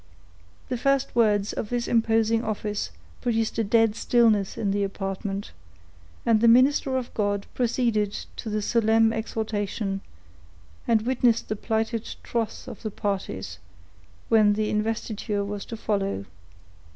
The first words of this imposing office produced a dead stillness in the apartment; and the minister of God proceeded to the solemn exhortation, and witnessed the plighted troth of the parties, when the investiture was to follow.